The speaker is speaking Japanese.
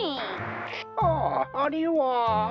あああれは。